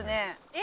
え？